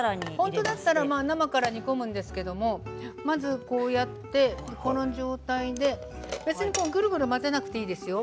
本当だったら生から煮込むんですが、まずこうやってこの状態でぐるぐる混ぜなくてもいいですよ。